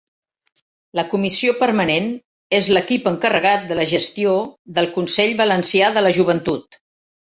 La Comissió Permanent és l’equip encarregat de la gestió del Consell Valencià de la Joventut.